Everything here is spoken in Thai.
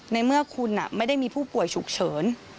ในเมื่อคุณไม่ได้มีผู้ป่วยฉุกเฉิน